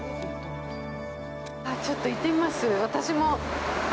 あっ、ちょっと行ってみます？